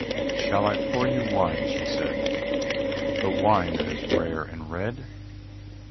"Shall I pour you the wine," she said, "The wine that is rare and red?